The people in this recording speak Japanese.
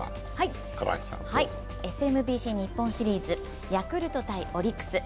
ＳＭＢＣ日本シリーズヤクルト×オリックス。